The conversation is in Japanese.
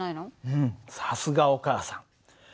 うんさすがお母さん。